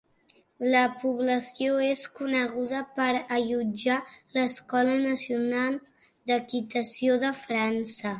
La població és coneguda per allotjar l'Escola Nacional d'Equitació de França.